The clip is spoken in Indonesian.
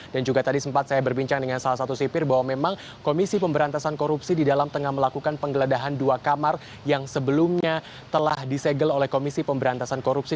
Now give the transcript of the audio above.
dan juga tadi sempat saya berbincang dengan salah satu sipir bahwa memang komisi pemberantasan korupsi di dalam tengah melakukan penggeledahan dua kamar yang sebelumnya telah disegel oleh komisi pemberantasan korupsi